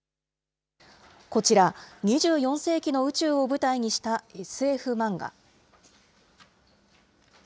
こちら、２４世紀の宇宙を舞台にしたＳＦ漫画。